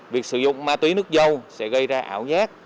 việc sử dụng ma túy nước dâu sẽ gây ra ảo giác